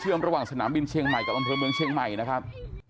ระหว่างสนามบินเชียงใหม่กับอำเภอเมืองเชียงใหม่นะครับ